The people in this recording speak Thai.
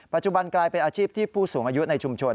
กลายเป็นอาชีพที่ผู้สูงอายุในชุมชน